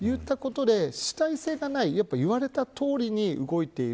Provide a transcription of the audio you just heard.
主体性がなく言われたとおりに動いている。